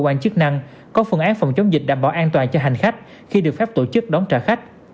cơ quan chức năng có phương án phòng chống dịch đảm bảo an toàn cho hành khách khi được phép tổ chức đón trả khách